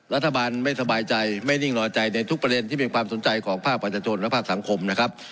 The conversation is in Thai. รัฐบาลไม่สบายใจไม่นิ่งรอใจในทุกประเด็นที่เป็นความสนใจของภาคประชาชนและภาคสังคมนะครับ